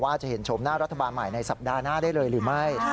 จะเห็นชมหน้ารัฐบาลใหม่ในสัปดาห์หน้าได้เลยหรือไม่